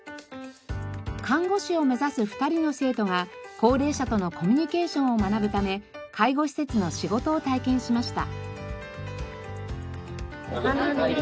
看護師を目指す２人の生徒が高齢者とのコミュニケーションを学ぶため介護施設の仕事を体験しました。